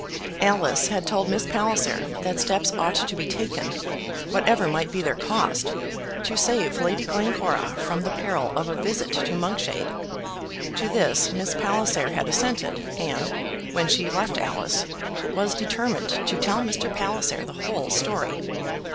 Alice had told Miss Palliser that steps ought to be taken, whatever might be their cost, to save Lady Glencora from the peril of a visit to Monkshade. To this Miss Palliser had assented, and, when she left Alice, was determined to tell Mr. Palliser the whole story.